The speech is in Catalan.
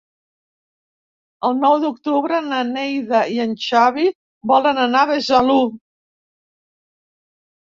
El nou d'octubre na Neida i en Xavi volen anar a Besalú.